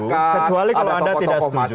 kecuali kalau anda tidak setuju